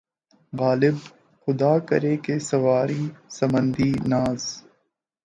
غالبؔ! خدا کرے کہ‘ سوارِ سمندِ ناز